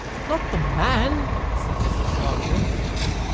‘Not the man!’ said Mr. Snodgrass.